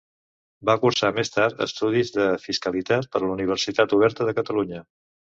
Va cursar, més tard, estudis de Fiscalitat per la Universitat Oberta de Catalunya.